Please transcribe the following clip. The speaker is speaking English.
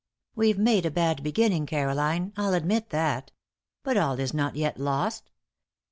"We've made a bad beginning, Caroline. I'll admit that. But all is not yet lost.